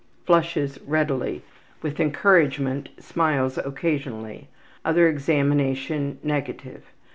Flushes readily. With encouragement smiles occasionally. Other examination negative.